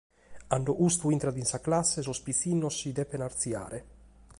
Cando custu intrat in sa classe sos pitzinnos si devent artziare.